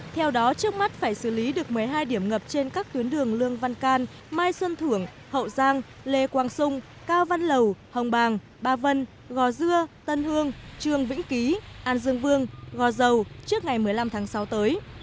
theo đó trước mắt phải xử lý được một mươi hai điểm ngập trên các tuyến đường lương văn can mai xuân thưởng hậu giang lê quang sung cao văn lầu hồng bàng ba vân gò dưa tân hương trường vĩnh ký an dương vương gò dầu trước ngày một mươi năm tháng sáu tới